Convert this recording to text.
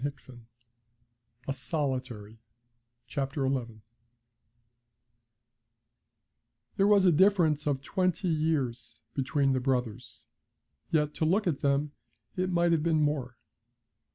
XI A SOLITARY There was a difference of twenty years between the brothers, yet, to look at them, it might have been more.